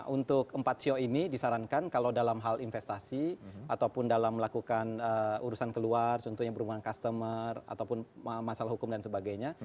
untuk empat sio ini disarankan kalau dalam hal investasi ataupun dalam melakukan urusan keluar contohnya berhubungan customer ataupun masalah hukum dan sebagainya